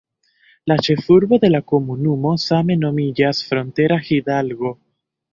La ĉefurbo de la komunumo same nomiĝas Frontera Hidalgo.